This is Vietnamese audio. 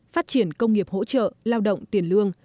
phát triển công nghiệp hỗ trợ lao động tiền lương